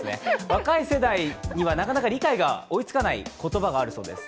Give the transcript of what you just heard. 若い世代にはなかなか理解が追いつかない言葉があるそうです。